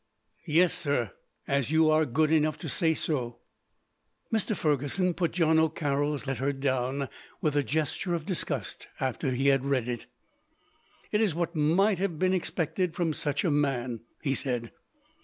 "Yes, sir, as you are good enough to say so." Mr. Fergusson put John O'Carroll's letter down, with a gesture of disgust, after he had read it. "It is what might have been expected from such a man," he said.